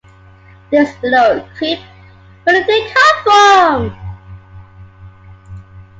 This little creep, where did he come from?